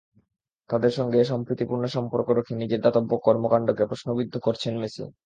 তাঁদের সঙ্গে সম্প্রীতি পূর্ণ সম্পর্ক রেখে নিজের দাতব্য কর্মকাণ্ডকে প্রশ্নবিদ্ধ করছেন মেসি।